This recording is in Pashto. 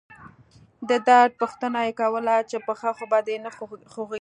د درد پوښتنه يې کوله چې پښه خو به دې نه خوږيږي.